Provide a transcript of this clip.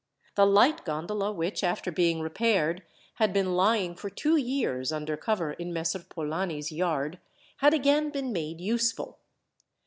The light gondola which, after being repaired, had been lying for two years under cover in Messer Polani's yard, had again been made useful.